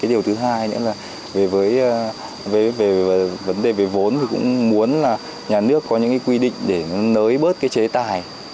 điều thứ hai nữa là về với vấn đề về vốn thì cũng muốn là nhà nước có những quy định để nới bớt cái chế tài